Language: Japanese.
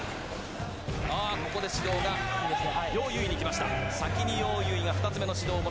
ここで指導がようゆういにきました。